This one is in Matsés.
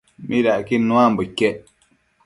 midacquid nuambo iquec?